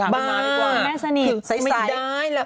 บ้าไม่ได้